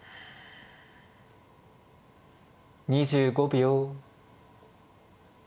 ２５秒。